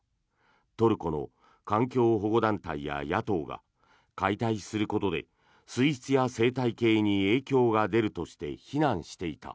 トルコの環境保護団体や野党が解体することで水質や生態系に影響が出るとして非難していた。